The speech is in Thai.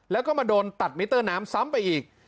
แล้วก็มาโดนตัดมิเตอร์น้ำซ้ำไปอีก